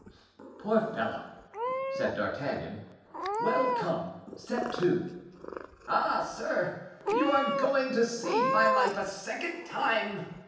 "Poor fellow!" said D'Artagnan. "Well, come; set to." "Ah, sir, you are going to save my life a second time!"